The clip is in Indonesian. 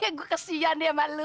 ya gua kesian dia sama lu